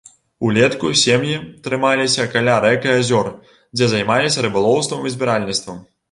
Улетку сем'і трымаліся каля рэк і азёр, дзе займаліся рыбалоўствам і збіральніцтвам.